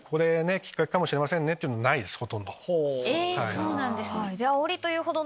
そうなんですね。